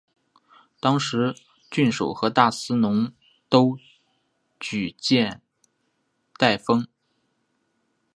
当时郡守和大司农都举荐戴封。